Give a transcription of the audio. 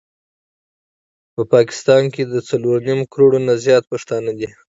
په پاکستان کي د څلور نيم کروړ نه زيات پښتانه دي